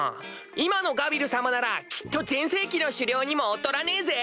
今のガビル様ならきっと全盛期の首領にも劣らねえぜ！